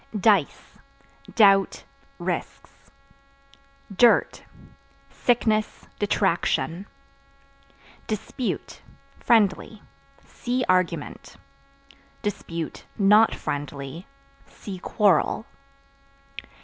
Dice Doubt, risks. Dirt Sickness, detraction. Dispute (Friendly) see Argument; (not friendly) see Quarrel.